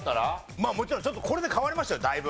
まあもちろんちょっとこれで変わりましたよだいぶ。